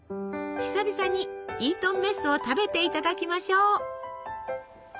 久々にイートンメスを食べていただきましょう！